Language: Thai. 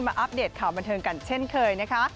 อัปเดตข่าวบันเทิงกันเช่นเคยนะคะ